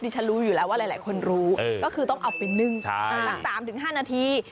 ฉันรู้อยู่แล้วว่าหลายคนรู้ก็คือต้องเอาไปนึ่งสัก๓๕นาที